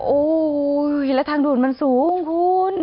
โอ้โหแล้วทางด่วนมันสูงคุณ